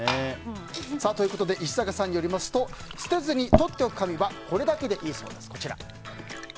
石阪さんによりますと捨てずに取っておく紙はこれだけでいいそうです。